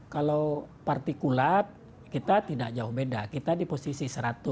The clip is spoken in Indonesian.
kalau partikulat kita tidak jauh beda kita di posisi seratus